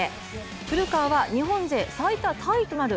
古川は日本勢最多タイとなる